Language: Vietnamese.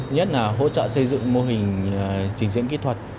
nhất là hỗ trợ xây dựng mô hình trình diễn kỹ thuật